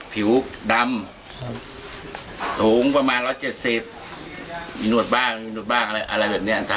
ผิวดำถุงประมาณ๑๗๐มีนวดบ้างอะไรแบบนี้